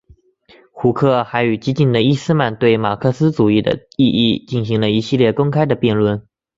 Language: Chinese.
胡克还与激进的伊士曼对马克思主义的意义进行了一系列公开的辩论。